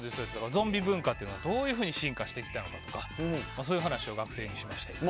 ゾンビ文化というのはどんなふうに進化してきたのとかそういう話を学生にしています。